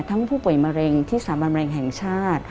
ผู้ป่วยมะเร็งที่สถาบันมะเร็งแห่งชาติ